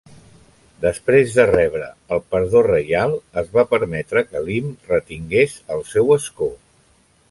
Després de rebre el perdó reial, es va permetre que Lim retingués el seu escó.